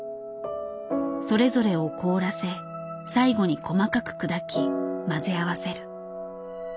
それぞれを凍らせ最後に細かく砕き混ぜ合わせる。